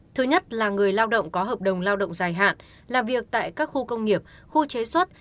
thứ nhất là người lao động có hợp đồng lao động dài hạn làm việc tại các khu công nghiệp khu chế xuất